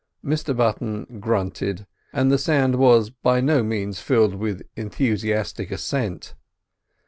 Mr Button grunted, and the sound was by no means filled with enthusiastic assent.